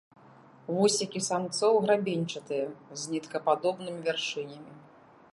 Вусікі самцоў грабеньчатыя, з ніткападобнымі вяршынямі.